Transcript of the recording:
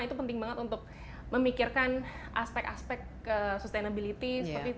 itu penting banget untuk memikirkan aspek aspek sustainability seperti pagi itu